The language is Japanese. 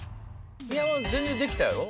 新山は全然できたやろ？